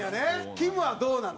きむは、どうなの？